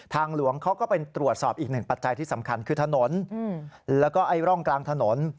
หลวงเขาก็ไปตรวจสอบอีกหนึ่งปัจจัยที่สำคัญคือถนนแล้วก็ไอ้ร่องกลางถนน